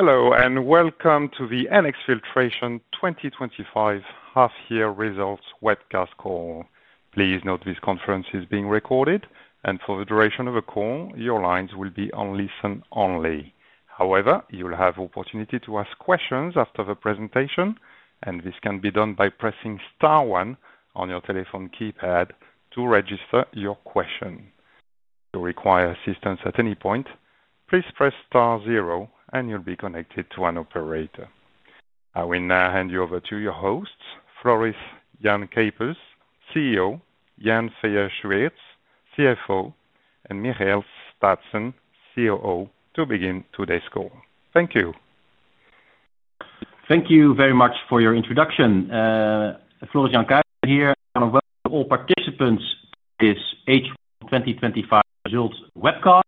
Hello and welcome to the NX Filtration 2025 Half-Year Results Webcast Call. Please note this conference is being recorded, and for the duration of the call, your lines will be on listen only. However, you'll have the opportunity to ask questions after the presentation, and this can be done by pressing Star, one on your telephone keypad to register your question. If you require assistance at any point, please press Star, zero and you'll be connected to an operator. I will now hand you over to your hosts, Floris Jan Cuypers, CEO, Jan Feie Zwiers, CFO, and Michiel Staatsen, COO, to begin today's call. Thank you. Thank you very much for your introduction. Floris Jan Cuypers here, and welcome to all participants in this H1 2025 results webcast.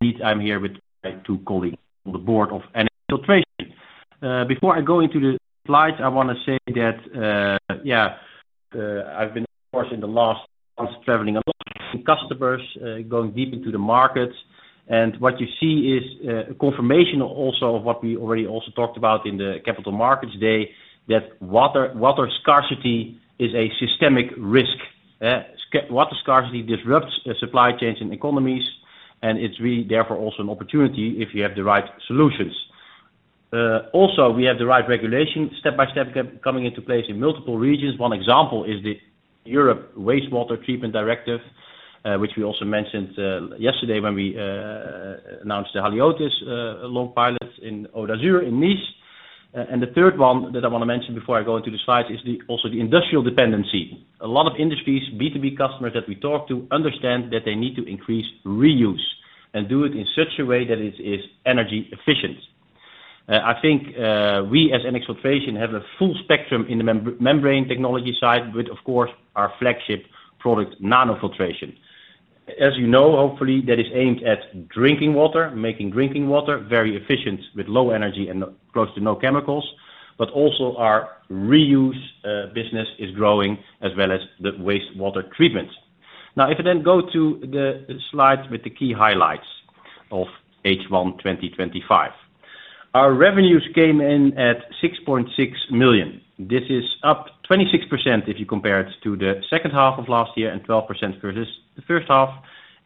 Indeed, I'm here with my two colleagues from the Board of NX Filtration. Before I go into the slides, I want to say that I've been, of course, in the last months traveling a lot with some customers, going deep into the markets. What you see is a confirmation also of what we already also talked about in the Capital Markets Day, that water scarcity is a systemic risk. Water scarcity disrupts supply chains and economies, and it's really therefore also an opportunity if you have the right solutions. Also, we have the right regulation, step by step, coming into place in multiple regions. One example is the Europe Wastewater Treatment Directive, which we also mentioned yesterday when we announced the Haliotis long pilots in Aux d'Azur in Nice. The third one that I want to mention before I go into the slides is also the industrial dependency. A lot of industries, B2B customers that we talk to, understand that they need to increase reuse and do it in such a way that it is energy efficient. I think we as NX Filtration have a full spectrum in the membrane technology side with, of course, our flagship product, nanofiltration. As you know, hopefully, that is aimed at drinking water, making drinking water very efficient with low energy and close to no chemicals. Our reuse business is growing as well as the wastewater treatment. Now, if I then go to the slides with the key highlights of H1 2025, our revenues came in at €6.6 million. This is up 26% if you compare it to the second half of last year and 12% versus the first half.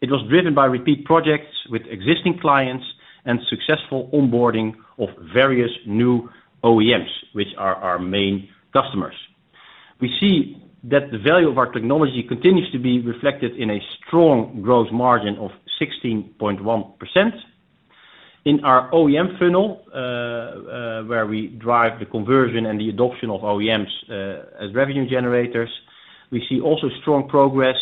It was driven by repeat projects with existing clients and successful onboarding of various new OEMs, which are our main customers. We see that the value of our technology continues to be reflected in a strong gross margin of 16.1%. In our OEM funnel, where we drive the conversion and the adoption of OEMs as revenue generators, we see also strong progress,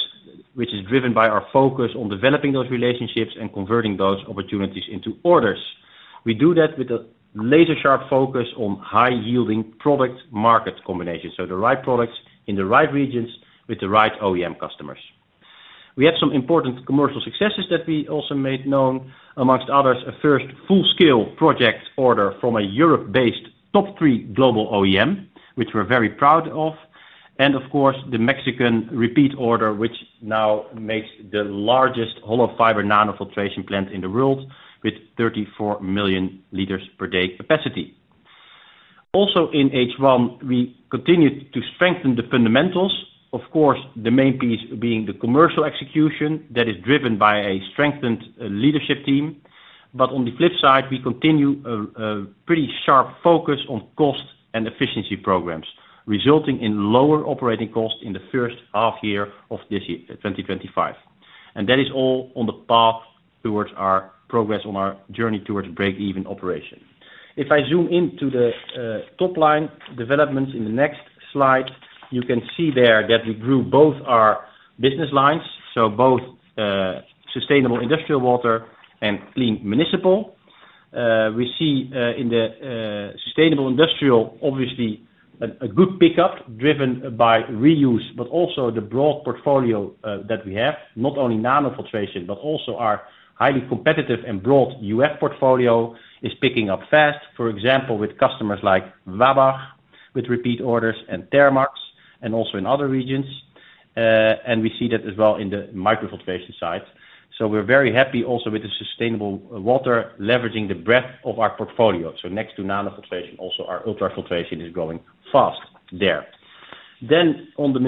which is driven by our focus on developing those relationships and converting those opportunities into orders. We do that with a laser-sharp focus on high-yielding product-market combination, so the right products in the right regions with the right OEM customers. We have some important commercial successes that we also made known. Amongst others, a first full-scale project order from a Europe-based top three global OEM, which we're very proud of. Of course, the Mexican repeat order now makes the largest hollow fiber nanofiltration plant in the world with 34 L million per day capacity. Also in H1, we continue to strengthen the fundamentals. Of course, the main piece being the commercial execution that is driven by a strengthened leadership team. On the flip side, we continue a pretty sharp focus on cost and efficiency programs, resulting in lower operating costs in the first half year of 2025. That is all on the path towards our progress on our journey towards break-even operation. If I zoom into the top line developments in the next slide, you can see there that we grew both our business lines, so both sustainable industrial water and clean municipal. We see in the sustainable industrial, obviously, a good pickup driven by reuse, but also the broad portfolio that we have, not only nanofiltration, but also our highly competitive and broad UF portfolio is picking up fast. For example, with customers like Vabach, with repeat orders and Thermax, and also in other regions. We see that as well in the microfiltration side. We're very happy also with the sustainable water leveraging the breadth of our portfolio. Next to nanofiltration, also our ultrafiltration is growing fast there. On the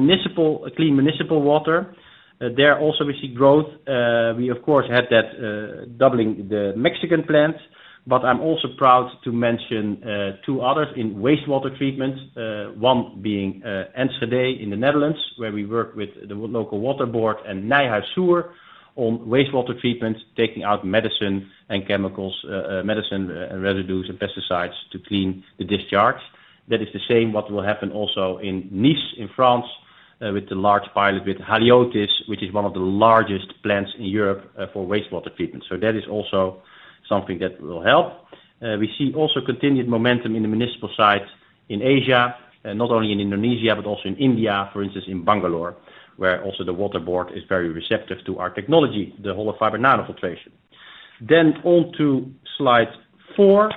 clean municipal water, there also we see growth. We, of course, had that doubling the Mexican plant. I'm also proud to mention two others in wastewater treatment, one being Enschede in the Netherlands, where we work with the local water board and Nyhuys Zur on wastewater treatment, taking out medicine and chemicals, medicine and residues and pesticides to clean the discharge. That is the same what will happen also in Nice in France with the large pilot with Haliotis, which is one of the largest plants in Europe for wastewater treatment. That is also something that will help. We see also continued momentum in the municipal side in Asia, not only in Indonesia, but also in India, for instance, in Bangalore, where also the water board is very receptive to our technology, the hollow fiber nanofiltration. On to slide four,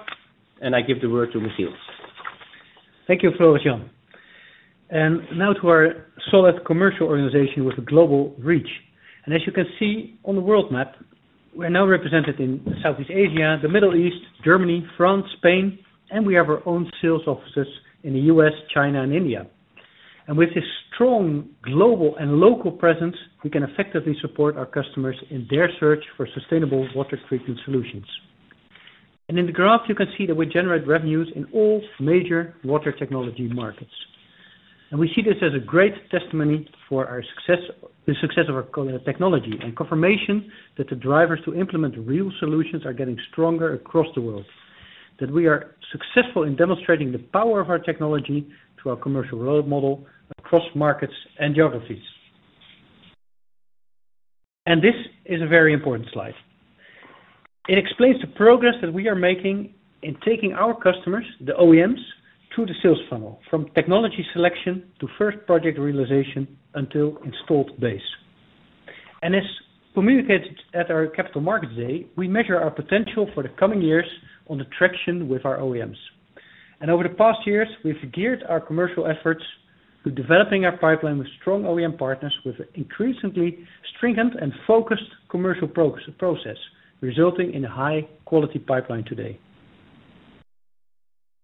I give the word to Michiel. Thank you, Floris Jan. Now to our solid commercial organization with a global reach. As you can see on the world map, we're now represented in Southeast Asia, the Middle East, Germany, France, Spain, and we have our own sales offices in the U.S., China, and India. With this strong global and local presence, we can effectively support our customers in their search for sustainable water treatment solutions. In the graph, you can see that we generate revenues in all major water technology markets. We see this as a great testimony for our success, the success of our technology, and confirmation that the drivers to implement real solutions are getting stronger across the world, that we are successful in demonstrating the power of our technology through our commercial road model across markets and geographies. This is a very important slide. It explains the progress that we are making in taking our customers, the OEMs, through the sales funnel, from technology selection to first project realization until installed base. As communicated at our Capital Markets Day, we measure our potential for the coming years on the traction with our OEMs. Over the past years, we've geared our commercial efforts to developing our pipeline with strong OEM partners with an increasingly stringent and focused commercial process, resulting in a high-quality pipeline today.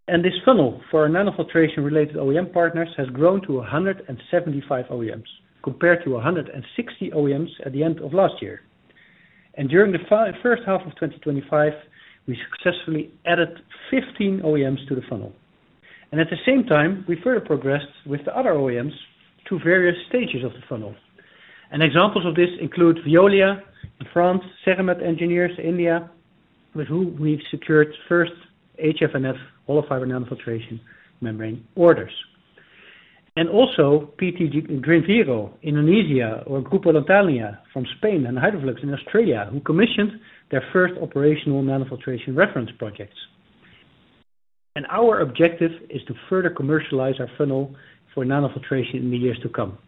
This funnel for our nanofiltration-related OEM partners has grown to 175 OEMs compared to 160 OEMs at the end of last year. During the first half of 2025, we successfully added 15 OEMs to the funnel. At the same time, we further progressed with the other OEMs to various stages of the funnel. Examples of this include Veolia, France, Cermet Engineers, India, with whom we've secured first HFNF hollow fiber nanofiltration membrane orders. Also PT Green Viro, Indonesia, or Grupo Lantania from Spain and Hydroflux in Australia, who commissioned their first operational nanofiltration reference projects. Our objective is to further commercialize our funnel for nanofiltration in the years to come,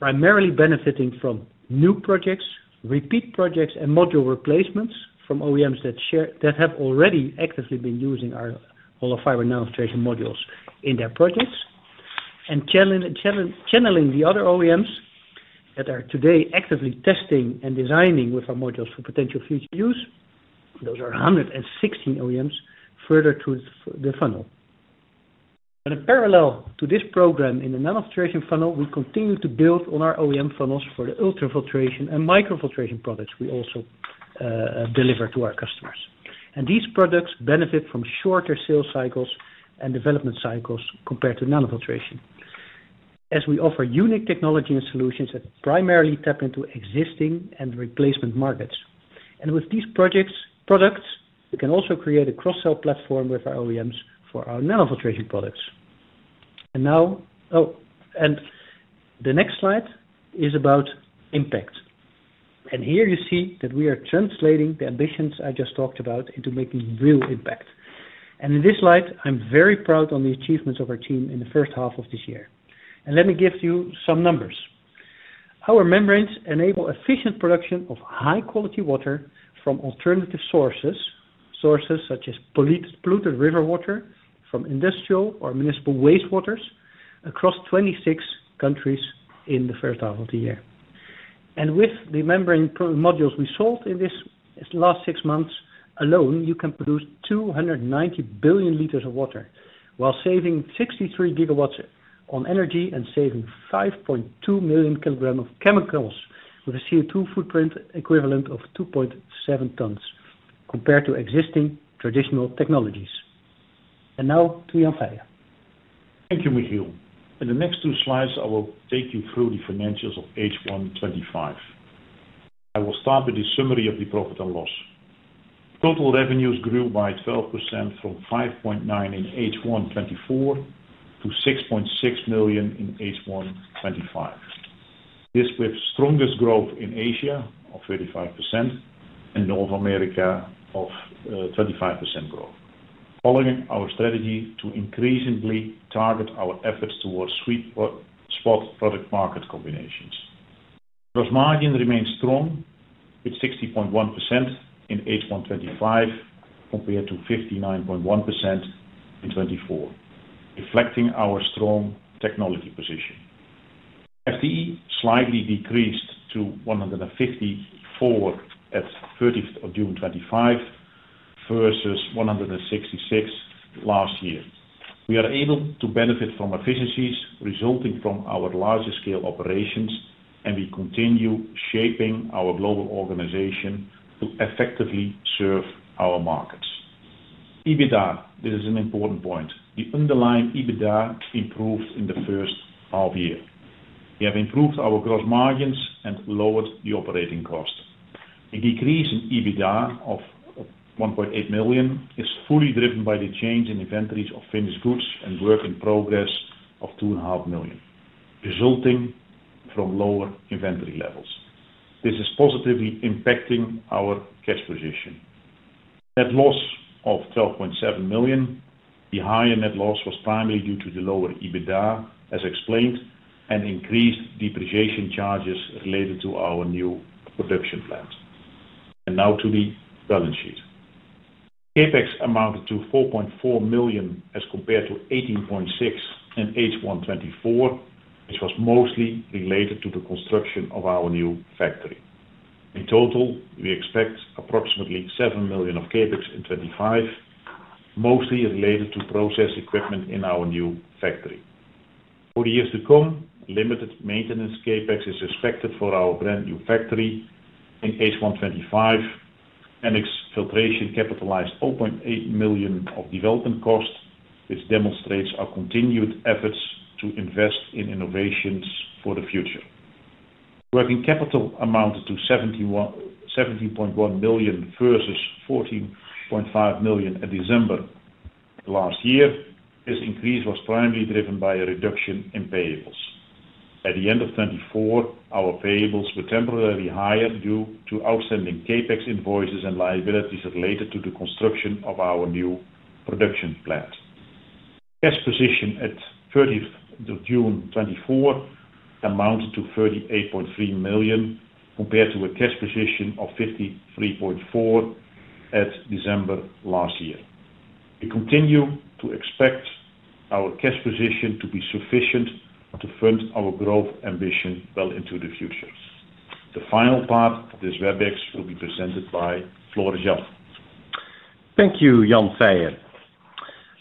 primarily benefiting from new projects, repeat projects, and module replacements from OEMs that have already actively been using our hollow fiber nanofiltration modules in their projects, and channeling the other OEMs that are today actively testing and designing with our modules for potential future use. Those are 116 OEMs further through the funnel. In parallel to this program in the nanofiltration funnel, we continue to build on our OEM funnels for the ultrafiltration and microfiltration products we also deliver to our customers. These products benefit from shorter sales cycles and development cycles compared to nanofiltration, as we offer unique technology and solutions that primarily tap into existing and replacement markets. With these projects and products, we can also create a cross-sell platform with our OEMs for our nanofiltration products. The next slide is about impact. Here you see that we are translating the ambitions I just talked about into making real impact. In this slide, I'm very proud of the achievements of our team in the first half of this year. Let me give you some numbers. Our membranes enable efficient production of high-quality water from alternative sources, such as polluted river water from industrial or municipal wastewaters across 26 countries in the first half of the year. With the membrane modules we sold in these last six months alone, you can produce 290 L billion of water while saving 63 GW on energy and saving 5.2 kg million of chemicals with a CO2 footprint equivalent of 2.7 tons compared to existing traditional technologies. Now to Jan Feie. Thank you, Michiel. In the next two slides, I will take you through the financials of H1 2025. I will start with a summary of the profit and loss. Total revenues grew by 12% from €5.9 million in H1 2024 to €6.6 million in H1 2025. This was the strongest growth in Asia of 35% and North America of 25% growth, following our strategy to increasingly target our efforts towards sweet spot product-market combinations. Gross margin remains strong with 60.1% in H1 2025 compared to 59.1% in 2024, reflecting our strong technology position. FTEs slightly decreased to 154 at 30th of June 2025 versus 166 last year. We are able to benefit from efficiencies resulting from our larger scale operations, and we continue shaping our global organization to effectively serve our markets. EBITDA, this is an important point. The underlying EBITDA improved in the first half year. We have improved our gross margins and lowered the operating cost. A decrease in EBITDA of €1.8 million is fully driven by the change in inventories of finished goods and work in progress of €2.5 million, resulting from lower inventory levels. This is positively impacting our cash position. Net loss of €12.7 million. The higher net loss was primarily due to the lower EBITDA, as explained, and increased depreciation charges related to our new production plant. Now to the balance sheet. CapEx amounted to €4.4 million as compared to €18.6 million in H1 2024, which was mostly related to the construction of our new factory. In total, we expect approximately €7 million of CapEx in 2025, mostly related to process equipment in our new factory. For the years to come, limited maintenance CapEx is expected for our brand new factory in H1 2025. NX Filtration capitalized €0.8 million of development costs, which demonstrates our continued efforts to invest in innovations for the future. Working capital amounted to €17.1 million versus €14.5 million at December last year. This increase was primarily driven by a reduction in payables. At the end of 2024, our payables were temporarily higher due to outstanding CapEx invoices and liabilities related to the construction of our new production plant. Cash position at 30th of June 2024 amounted to €38.3 million compared to a cash position of €53.4 million at December last year. We continue to expect our cash position to be sufficient to fund our growth ambition well into the future. The final part of this WebEx will be presented by Floris Jan. Thank you, Jan Feie.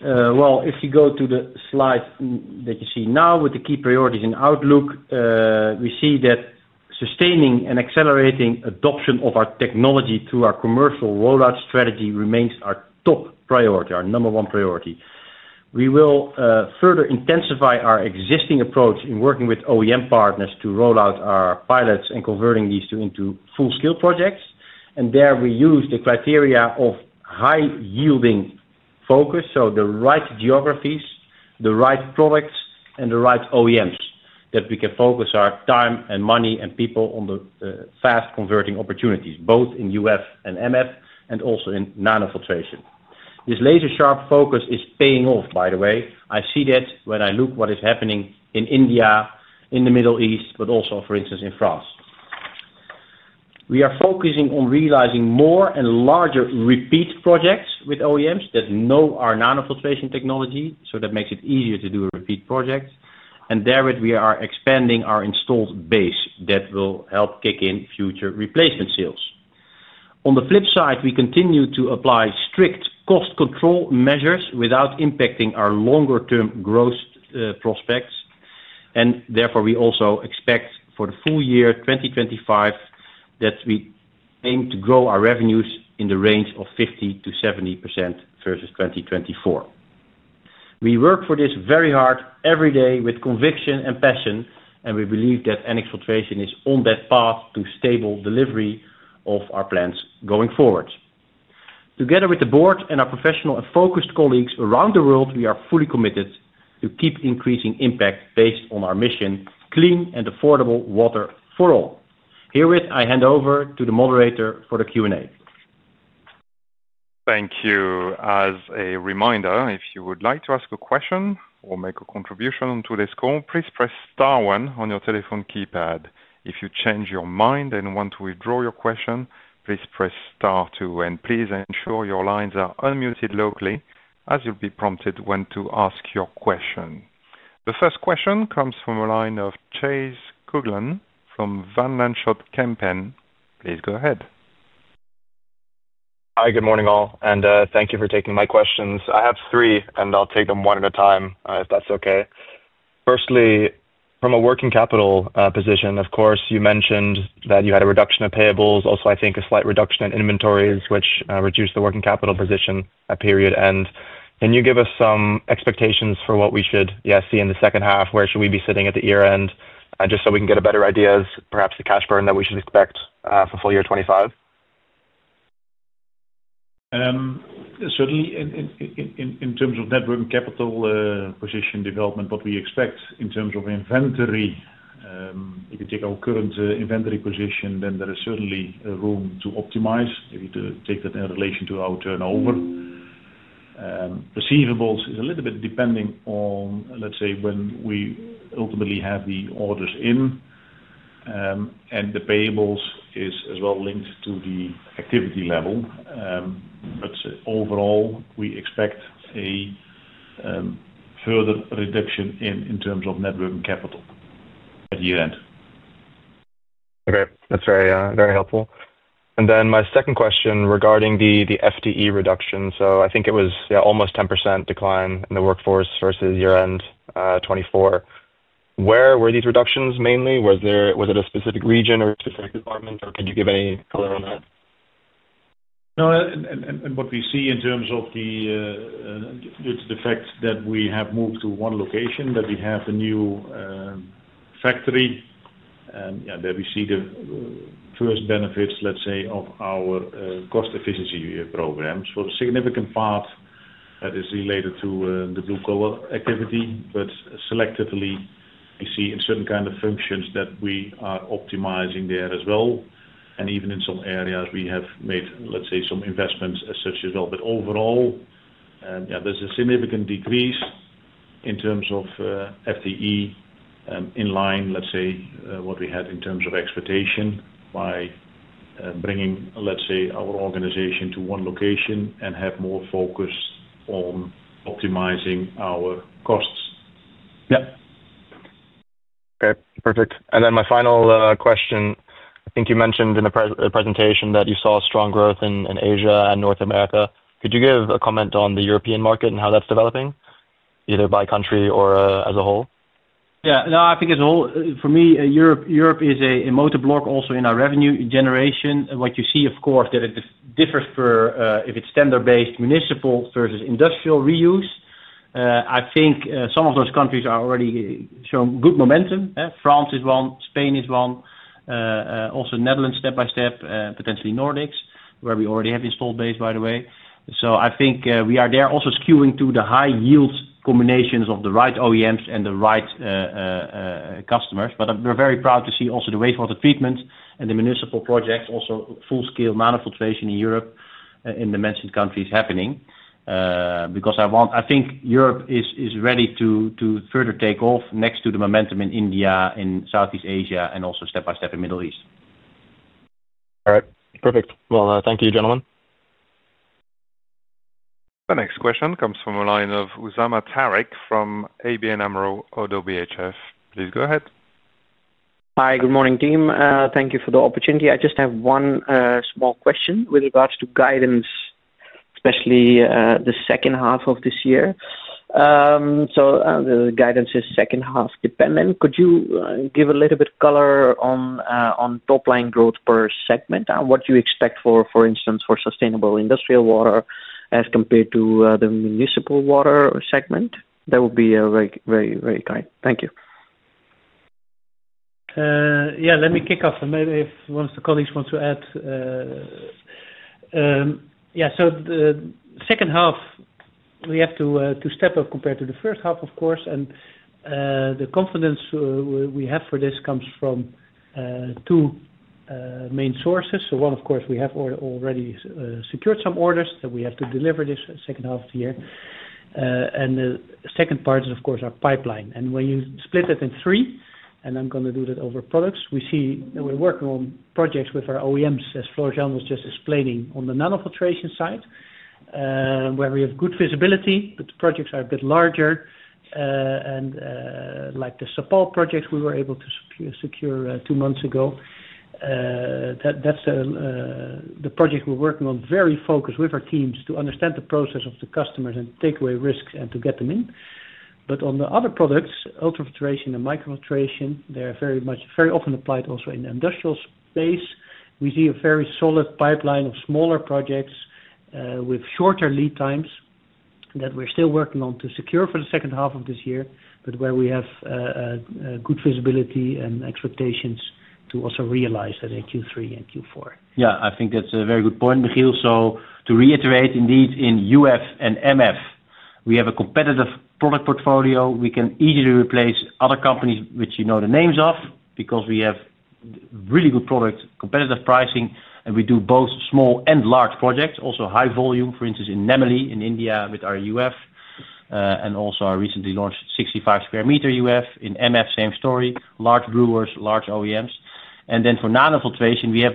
If you go to the slides that you see now with the key priorities in Outlook, we see that sustaining and accelerating adoption of our technology through our commercial rollout strategy remains our top priority, our number one priority. We will further intensify our existing approach in working with OEM partners to roll out our pilots and converting these into full-scale projects. There we use the criteria of high-yielding focus, so the right geographies, the right products, and the right OEMs that we can focus our time and money and people on the fast converting opportunities, both in UF and MF and also in nanofiltration. This laser-sharp focus is paying off, by the way. I see that when I look at what is happening in India, in the Middle East, but also, for instance, in France. We are focusing on realizing more and larger repeat projects with OEMs that know our nanofiltration technology, so that makes it easier to do repeat projects. Therewith, we are expanding our installed base that will help kick in future replacement sales. On the flip side, we continue to apply strict cost control measures without impacting our longer-term growth prospects. Therefore, we also expect for the full year 2025 that we aim to grow our revenues in the range of 50%-70% versus 2024. We work for this very hard every day with conviction and passion, and we believe that NX Filtration is on that path to stable delivery of our plans going forward. Together with the board and our professional and focused colleagues around the world, we are fully committed to keep increasing impact based on our mission: clean and affordable water for all. Herewith, I hand over to the moderator for the Q&A. Thank you. As a reminder, if you would like to ask a question or make a contribution on today's call, please press Star, one on your telephone keypad. If you change your mind and want to withdraw your question, please press Star, two. Please ensure your lines are unmuted locally as you'll be prompted when to ask your question. The first question comes from a line of Chase Coughlan at Van Lanschot Kempen. Hi, good morning all, and thank you for taking my questions. I have three, and I'll take them one at a time if that's okay. Firstly, from a working capital position, you mentioned that you had a reduction of payables, also I think a slight reduction in inventories, which reduced the working capital position at period end. Can you give us some expectations for what we should see in the second half? Where should we be sitting at the year end? Just so we can get a better idea, is perhaps the cash burn that we should expect for full year 2025? Certainly, in terms of net working capital position development, what we expect in terms of inventory, if you take our current inventory position, then there is certainly room to optimize, maybe to take that in relation to our turnover. Receivables is a little bit depending on, let's say, when we ultimately have the orders in, and the payables are as well linked to the activity level. Overall, we expect a further reduction in terms of net working capital at year end. Okay, that's very helpful. My second question regarding the FTE reduction. I think it was almost a 10% decline in the workforce versus year end 2024. Where were these reductions mainly? Was it a specific region or a specific department, or could you give a color on that? No, what we see in terms of the, due to the fact that we have moved to one location, that we have a new factory, we see the first benefits, let's say, of our cost efficiency programs. For a significant part, that is related to the blue collar activity, but selectively, we see in certain kinds of functions that we are optimizing there as well. Even in some areas, we have made, let's say, some investments as such as well. Overall, there's a significant decrease in terms of FTE in line, let's say, with what we had in terms of expectation by bringing, let's say, our organization to one location and have more focus on optimizing our costs. Yeah. Okay, perfect. My final question, I think you mentioned in the presentation that you saw a strong growth in Asia and North America. Could you give a comment on the European market and how that's developing, either by country or as a whole? Yeah, no, I think as a whole, for me, Europe is a motor block also in our revenue generation. What you see, of course, is that it differs for if it's standard-based municipal versus industrial reuse. I think some of those countries are already showing good momentum. France is one, Spain is one, also Netherlands step by step, potentially Nordics, where we already have installed base, by the way. I think we are there also skewing to the high-yield combinations of the right OEMs and the right customers. We're very proud to see also the wastewater treatment and the municipal projects, also full-scale nanofiltration in Europe in the mentioned countries happening. I want, I think Europe is ready to further take off next to the momentum in India, in Southeast Asia, and also step by step in the Middle East. All right, perfect. Thank you, gentlemen. The next question comes from a line of Uzama Tarek from ABN AMRO ODDO-BHF. Please go ahead. Hi, good morning, team. Thank you for the opportunity. I just have one small question with regards to guidance, especially the second half of this year. The guidance is second-half dependent. Could you give a little bit of color on top line growth per segment? What do you expect for, for instance, for sustainable industrial water as compared to the municipal water segment? That would be very, very, very kind. Thank you. Yeah, let me kick off. Maybe if one of the colleagues wants to add. The second half, we have to step up compared to the first half, of course. The confidence we have for this comes from two main sources. One, we have already secured some orders that we have to deliver this second half of the year. The second part is our pipeline. When you split it in three, and I'm going to do that over products, we see that we're working on projects with our OEMs, as Floris Jan was just explaining, on the nanofiltration side, where we have good visibility, but the projects are a bit larger. Like the SAPAL project we were able to secure two months ago, that's the project we're working on, very focused with our teams to understand the process of the customers and take away risks and to get them in. On the other products, ultrafiltration and microfiltration, they're very much very often applied also in the industrial space. We see a very solid pipeline of smaller projects with shorter lead times that we're still working on to secure for the second half of this year, where we have good visibility and expectations to also realize that in Q3 and Q4. Yeah, I think that's a very good point, Michiel. To reiterate, indeed, in UF and MF, we have a competitive product portfolio. We can easily replace other companies, which you know the names of, because we have really good products, competitive pricing, and we do both small and large projects, also high volume, for instance, in Namili, in India, with our UF, and also our recently launched 65 sq m. UF. In MF, same story, large brewers, large OEMs. For nanofiltration, we have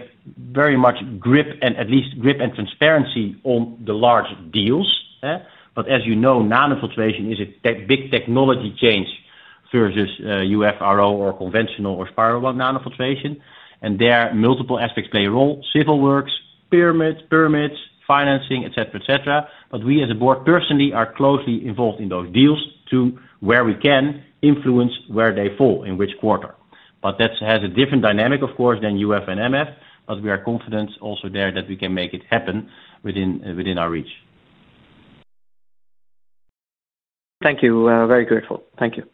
very much grip and at least grip and transparency on the large deals. As you know, nanofiltration is a big technology change versus UFRO or conventional or spiral-bound nanofiltration. Multiple aspects play a role: civil works, pyramids, financing, etc., etc. We as a board personally are closely involved in those deals to where we can influence where they fall in which quarter. That has a different dynamic, of course, than UF and MF. We are confident also there that we can make it happen within our reach. Thank you. Very grateful. Thank you.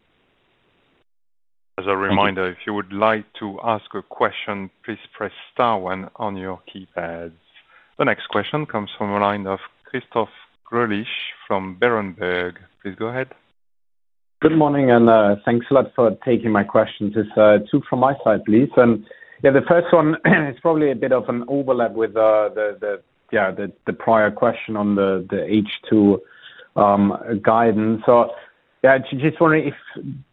As a reminder, if you would like to ask a question, please press Star, one on your keypads. The next question comes from a line of Christoph Gröllich from Berenberg. Please go ahead. Good morning, and thanks a lot for taking my questions. It's two from my side, please. The first one is probably a bit of an overlap with the prior question on the H2 guidance.I just wonder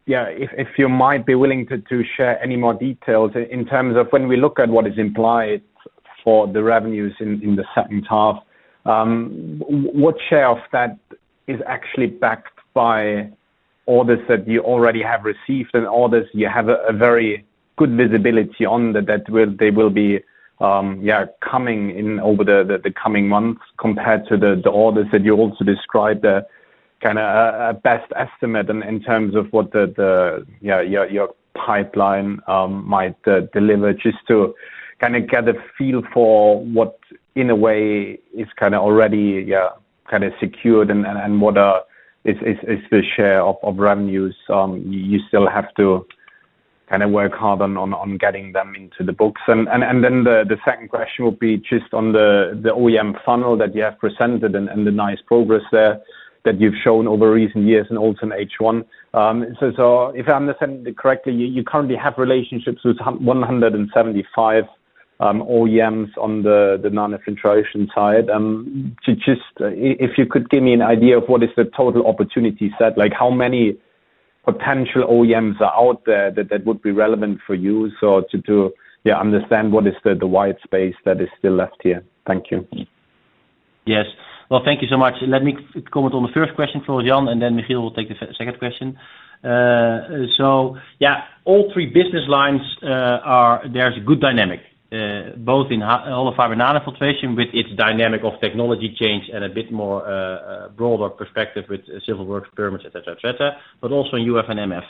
if you might be willing to share any more details in terms of when we look at what is implied for the revenues in the second half, what share of that is actually backed by orders that you already have received and orders you have a very good visibility on that they will be coming in over the coming months compared to the orders that you also described, the kind of a best estimate in terms of what your pipeline might deliver, just to kind of get a feel for what, in a way, is kind of already secured and what is the share of revenues you still have to kind of work hard on getting them into the books. The second question would be just on the OEM funnel that you have presented and the nice progress there that you've shown over recent years and also in H1. If I understand it correctly, you currently have relationships with 175 OEMs on the nanofiltration side. If you could give me an idea of what is the total opportunity set, like how many potential OEMs are out there that would be relevant for you? To understand what is the wide space that is still left here. Thank you. Thank you so much. Let me comment on the first question, Floris Jan, and then Michiel will take the second question. All three business lines are, there's a good dynamic, both in hollow fiber nanofiltration with its dynamic of technology change and a bit more broader perspective with civil works, pyramids, etc., etc., but also in UF and MF.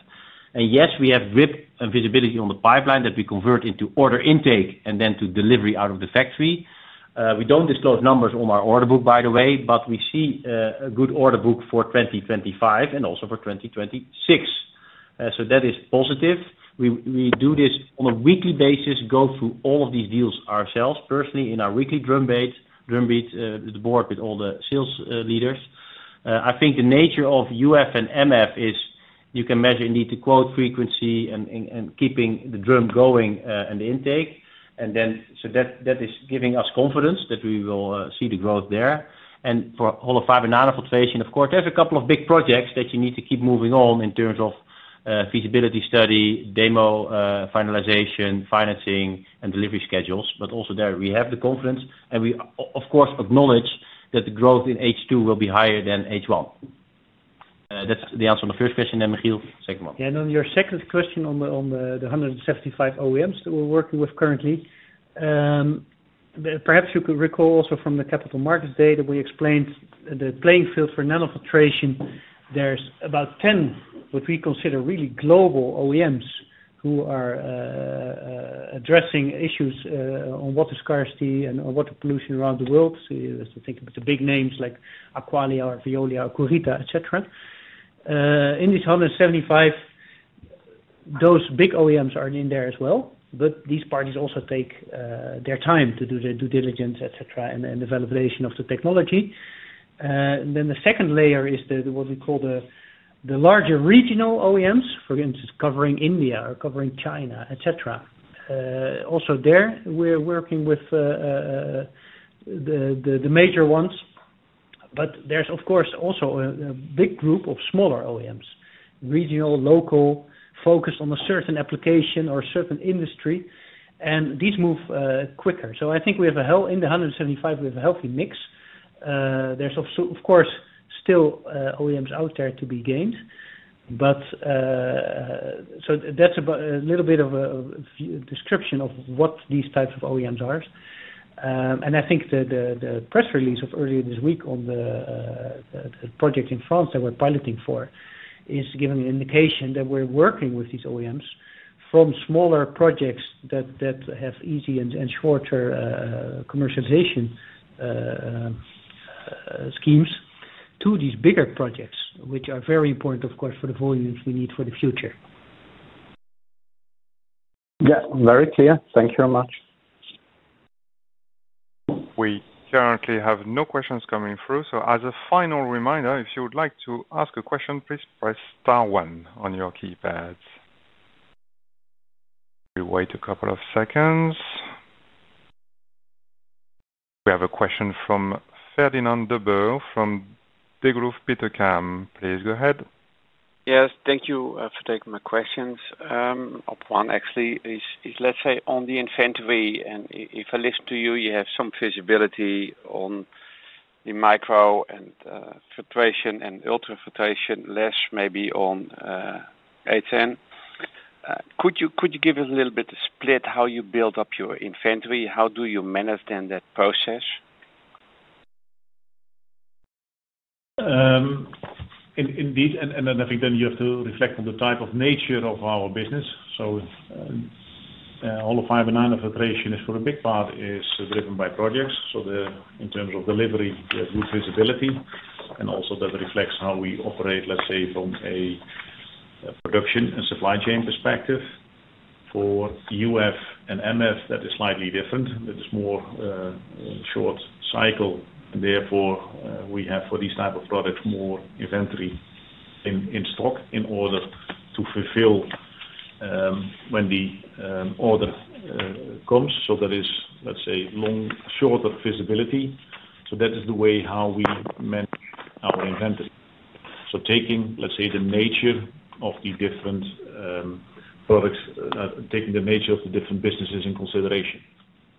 Yes, we have grip and visibility on the pipeline that we convert into order intake and then to delivery out of the factory. We don't disclose numbers on our order book, by the way, but we see a good order book for 2025 and also for 2026. That is positive. We do this on a weekly basis, go through all of these deals ourselves personally in our weekly drumbeat, the board with all the sales leaders. I think the nature of UF and MF is you can measure, indeed, the quote frequency and keeping the drum going and the intake. That is giving us confidence that we will see the growth there. For hollow fiber nanofiltration, of course, there's a couple of big projects that you need to keep moving on in terms of feasibility study, demo finalization, financing, and delivery schedules. Also there, we have the confidence and we, of course, acknowledge that the growth in H2 will be higher than H1. That's the answer on the first question then, Michiel. Second one. Yeah, and on your second question on the 175 OEMs that we're working with currently, perhaps you could recall also from the Capital Markets Day that we explained the playing field for nanofiltration. There's about 10, what we consider really global OEMs who are addressing issues on water scarcity and on water pollution around the world. You think about the big names like Aqualia, Veolia, Kurita, etc. In this 175, those big OEMs are in there as well, but these parties also take their time to do their due diligence, etc., and the validation of the technology. The second layer is what we call the larger regional OEMs, for instance, covering India or covering China, etc. Also there, we're working with the major ones. There's, of course, also a big group of smaller OEMs, regional, local, focused on a certain application or a certain industry, and these move quicker. I think in the 175, we have a healthy mix. There's, of course, still OEMs out there to be gained. That's a little bit of a description of what these types of OEMs are. I think the press release of earlier this week on the project in France that we're piloting for is giving an indication that we're working with these OEMs from smaller projects that have easy and shorter commercialization schemes to these bigger projects, which are very important, of course, for the volumes we need for the future. Yeah, very clear. Thank you very much. We currently have no questions coming through. As a final reminder, if you would like to ask a question, please press Star, one on your keypads. We wait a couple of seconds. We have a question from Fernand de Boer form Degroof Petercam. Please go ahead. Yes, thank you for taking my questions. Our plan actually is, let's say, on the inventory, and if I list to you, you have some feasibility on the microfiltration and ultrafiltration, less maybe on A10. Could you give us a little bit of a split how you build up your inventory? How do you manage then that process? Indeed, and I think then you have to reflect on the type of nature of our business. So hollow fiber nanofiltration is for a big part driven by projects. In terms of delivery, good visibility, and also that reflects how we operate, let's say, from a production and supply chain perspective. For UF and MF, that is slightly different. That is more short cycle, and therefore we have for these types of products more inventory in stock in order to fulfill when the order comes. That is, let's say, long, shorter visibility. That is the way how we manage our inventory, taking, let's say, the nature of the different products, taking the nature of the different businesses in consideration.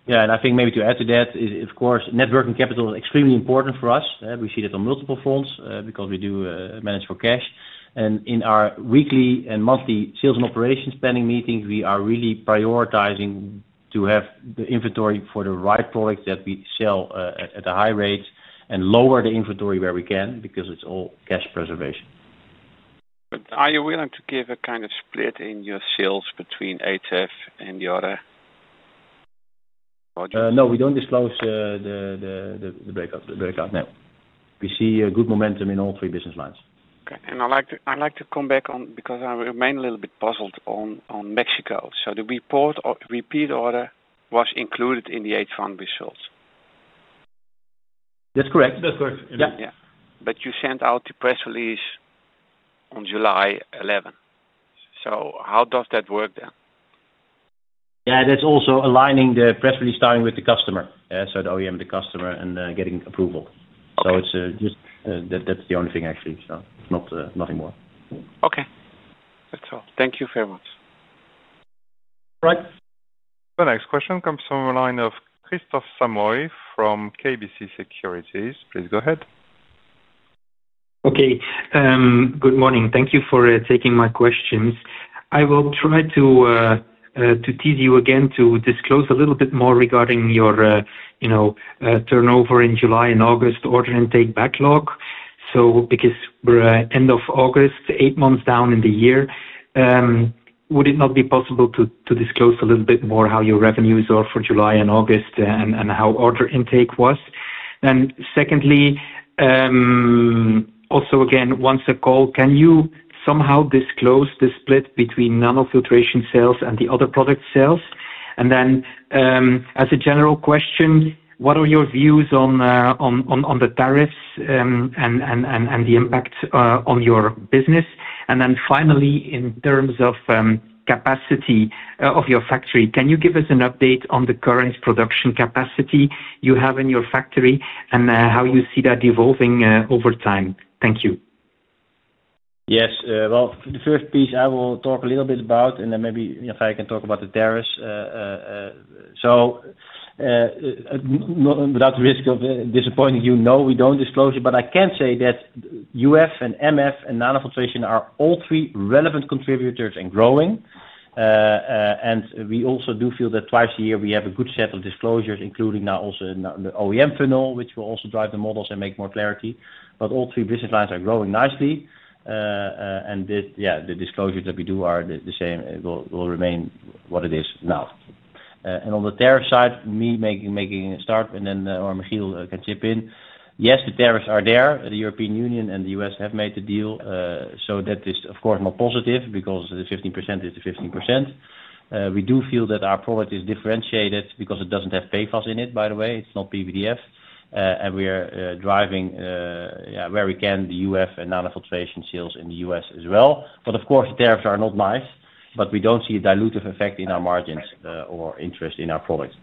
Yeah, I think maybe to add to that is, of course, networking capital is extremely important for us. We see that on multiple fronts because we do manage for cash. In our weekly and monthly sales and operations planning meetings, we are really prioritizing to have the inventory for the right product that we sell at the high rates and lower the inventory where we can because it's all cash preservation. Are you willing to give a kind of split in your sales between ATF and Yoda? No, we don't disclose the breakout. No, we see a good momentum in all three business lines. Okay, I'd like to come back on because I remain a little bit puzzled on Mexico. The report or repeat order was included in the H1 results. That's correct. Yeah, you sent out the press release on July 11th. How does that work then? Yeah, that's also aligning the press release time with the customer, the OEM, the customer, and getting approval. That's the only thing, actually. Nothing more. Okay, that's all. Thank you very much. All right. The next question comes from a line of Christoph Samoy from KBC Securities. Please go ahead. Okay, good morning. Thank you for taking my questions. I will try to tease you again to disclose a little bit more regarding your, you know, turnover in July and August order intake backlog. Because we're end of August, eight months down in the year, would it not be possible to disclose a little bit more how your revenues are for July and August and how order intake was? Secondly, also again, once a call, can you somehow disclose the split between nanofiltration sales and the other product sales? As a general question, what are your views on the tariffs and the impacts on your business? Finally, in terms of capacity of your factory, can you give us an update on the current production capacity you have in your factory and how you see that evolving over time? Thank you. Yes, the first piece I will talk a little bit about, and then maybe I can talk about the tariffs. Without the risk of disappointing you, no, we don't disclose it, but I can say that UF and MF and nanofiltration are all three relevant contributors and growing. We also do feel that twice a year we have a good set of disclosures, including now also the OEM funnel, which will also drive the models and make more clarity. All three business lines are growing nicely. The disclosures that we do are the same, will remain what it is now. On the tariff side, me making a start, and then Michiel can chip in. Yes, the tariffs are there. The European Union and the U.S. have made the deal. That is, of course, not positive because the 15% is the 15%. We do feel that our product is differentiated because it doesn't have PFAS in it, by the way. It's not PVDF. We are driving, where we can, the UF and nanofiltration sales in the U.S. as well. The tariffs are not nice, but we don't see a dilutive effect in our margins or interest in our product.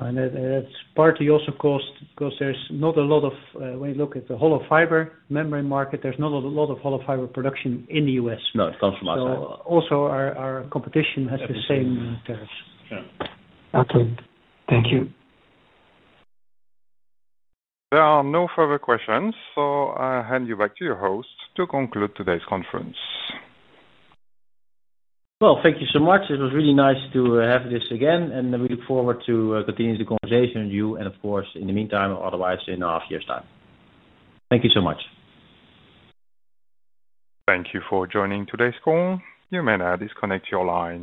That is partly also because there's not a lot of, when you look at the hollow fiber membrane market, there's not a lot of hollow fiber production in the U.S. No, it comes from outside. Also, our competition has the same tariffs. Yeah. Okay, thank you. There are no further questions, so I hand you back to your host to conclude today's conference. Thank you so much. It was really nice to have this again, and we look forward to continuing the conversation with you. Of course, in the meantime, otherwise, in a half year's time. Thank you so much. Thank you for joining today's call. You may now disconnect your line.